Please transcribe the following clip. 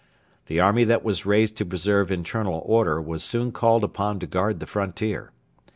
The army that was raised to preserve internal order was soon called upon to guard the frontier.